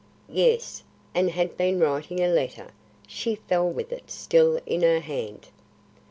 "Yes, and had been writing a letter. She fell with it still in her hand."